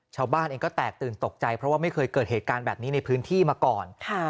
ชาวบ้านเองก็แตกตื่นตกใจเพราะว่าไม่เคยเกิดเหตุการณ์แบบนี้ในพื้นที่มาก่อน